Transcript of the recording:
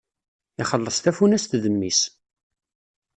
Ixelleṣ tafunast d mmi-s!